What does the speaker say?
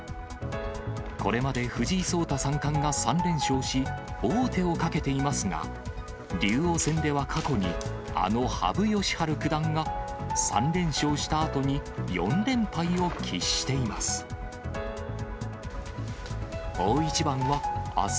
これまで藤井聡太三冠が３連勝し、王手をかけていますが、竜王戦では過去にあの羽生善治九段が３連勝したあとに、４連敗を喫しています。